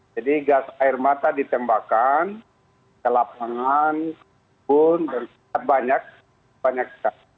jadi gas air mata ditembakkan ke lapangan pun banyak banyak